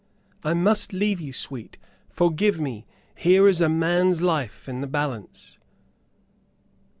"I must leave you, sweet; forgive me. Here is a man's life in the balance."